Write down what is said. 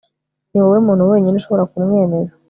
Niwowe muntu wenyine ushobora kumwemeza